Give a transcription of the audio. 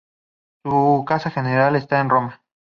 Su casa general está en Roma.